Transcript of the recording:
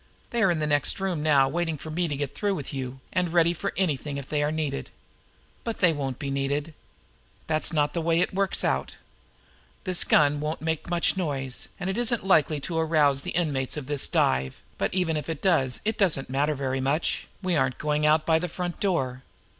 They are in the next room now waiting for me to get through with you, and ready for anything if they are needed. But they won't be needed. That's not the way it works out. This gun won't make much noise, and it isn't likely to arouse the inmates of this dive, but even if it does, it doesn't matter very much we aren't going out by the front door.